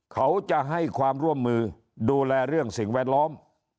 เขาจะให้ความร่วมมือดูแลเรื่องสิ่งแวดล้อม